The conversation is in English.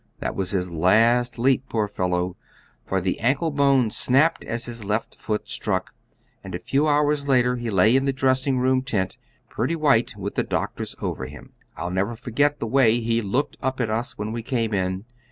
That was his last leap, poor fellow, for the ankle bones snapped as his left foot struck, and a few hours later he lay in the dressing room tent, pretty white, with the doctors over him. I'll never forget the way he looked up at us when we came in.